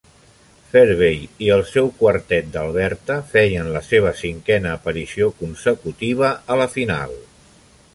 Ferbey i el seu quartet d'Alberta feien la seva cinquena aparició consecutiva a la final.